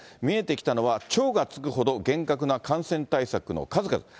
見えてきたのは、超がつくほど厳格な感染対策の数々。